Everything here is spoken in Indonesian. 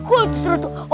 aku harus disuruh tuh